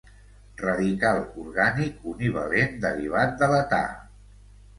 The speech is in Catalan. Radical orgànic univalent derivat de l'età.